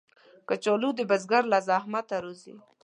کچالو د بزګر له زحمته راځي